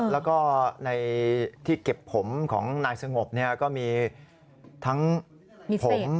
แล้วก็ในที่เก็บผมของนายสงบก็มีทั้งผม